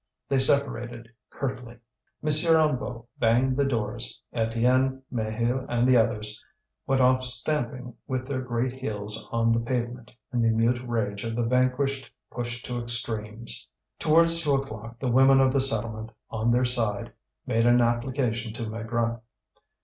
They separated curtly. M. Hennebeau banged the doors. Étienne, Maheu, and the others went off stamping with their great heels on the pavement in the mute rage of the vanquished pushed to extremes. Towards two o'clock the women of the settlement, on their side, made an application to Maigrat.